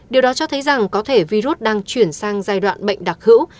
điều đó cho thấy rằng có thể virus đang chuyển sang giai đoạn bệnh đặc hữu